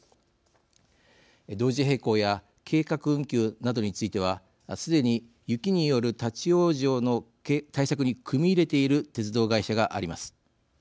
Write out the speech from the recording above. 同時並行や計画運休などについてはすでに雪による立往生の対策に組み入れている鉄道会社があります。